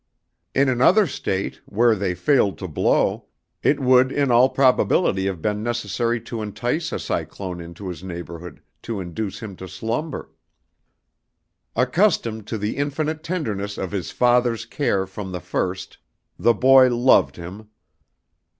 In another State, where they failed to blow, it would in all probability have been necessary to entice a cyclone into his neighborhood to induce him to slumber. Accustomed to the infinite tenderness of his father's care from the first, the boy loved him.